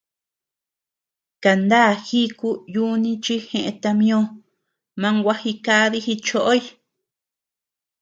Kaná jíku yuni chi jeʼë tama ñó, man gua jidadi jichoʼoy.